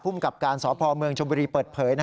กับการสพเมืองชมบุรีเปิดเผย